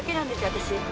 私。